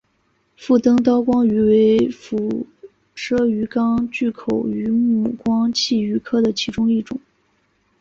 腹灯刀光鱼为辐鳍鱼纲巨口鱼目光器鱼科的其中一种。